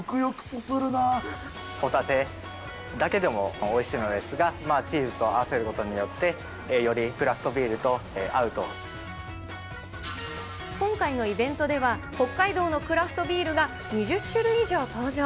ホタテだけでもおいしいのですが、チーズと合わせることによって、今回のイベントでは、北海道のクラフトビールが２０種類以上登場。